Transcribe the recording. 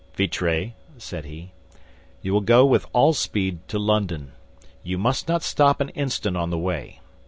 "Vitray," said he, "you will go with all speed to London. You must not stop an instant on the way.